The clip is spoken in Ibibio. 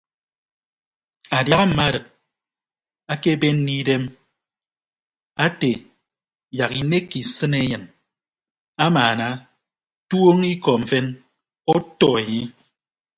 Adiaha mma arịd akebenne idem ate yak inekke isịn eyịn amaana tuoñ ikọ mfen ọtọ enye.